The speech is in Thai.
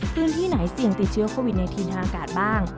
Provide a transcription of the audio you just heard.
พื้นที่ไหนเสี่ยงติดเชื้อโควิด๑๙ทางอากาศบ้าง